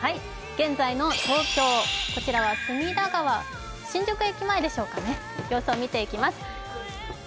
現在の東京、こちらの隅田川、新宿駅前でしょうかね、様子を見ていきましょう。